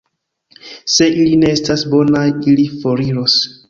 Se ili ne estas bonaj, ili foriros.